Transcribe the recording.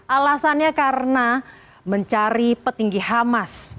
alasannya karena mencari petinggi hamas